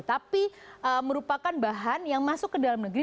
tapi merupakan bahan yang masuk ke dalam negeri